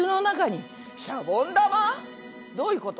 どういうこと？